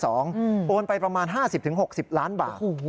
โอนไปประมาณ๕๐๖๐ล้านบาท